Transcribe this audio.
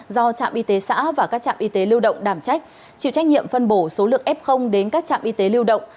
do trạm y tế xã và các trạm y tế lưu động đảm trách chịu trách nhiệm phân bổ số lượng f đến các trạm y tế lưu động